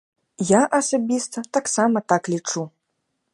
Я асабіста таксама так лічу.